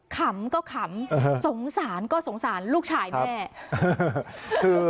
ขำก็ขำสงสารก็สงสารลูกชายแม่คือ